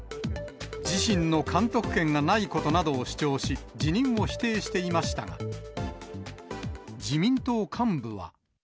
自身の監督権がないことなどを主張し、辞任を否定していましたが、自民党幹部は。